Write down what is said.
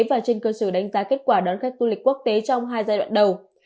và trên cơ sở đánh giá kết quả đón khách du lịch quốc tế trong hai giai đoạn đầu